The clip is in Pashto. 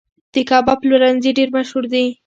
د کباب پلورنځي ډیر مشهور دي